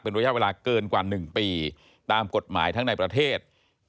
ระยะเวลาเกินกว่า๑ปีตามกฎหมายทั้งในประเทศ